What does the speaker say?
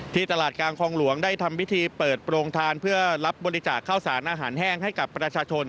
ตลาดกลางคลองหลวงได้ทำพิธีเปิดโปรงทานเพื่อรับบริจาคข้าวสารอาหารแห้งให้กับประชาชน